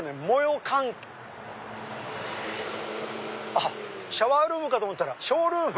あっシャワールームかと思ったらショールーム。